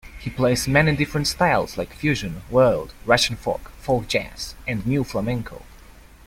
He plays many different styles like fusion, world, Russian folk, folk-jazz, and new flamenco.